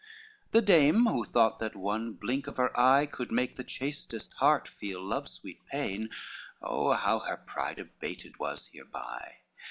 LXIV The dame who thought that one blink of her eye Could make the chastest heart feel love's sweet pain, Oh, how her pride abated was hereby!